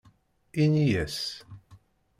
Ini-as.